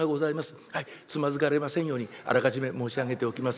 つまずかれませんようにあらかじめ申し上げておきます。